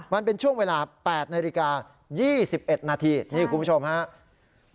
มันเป็นช่วงเวลา๘นาฬิกา๒๑นาทีนี่คุณผู้ชมครับ